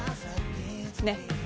ねっ。